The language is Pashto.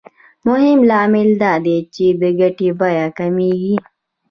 مهم لامل دا دی چې د ګټې بیه کمېږي